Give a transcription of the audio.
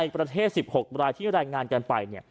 ประเทศ๑๖รายที่รายงานกันไป